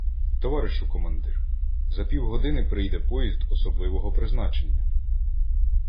— Товаришу командир, за півгодини прийде поїзд особливого призначення.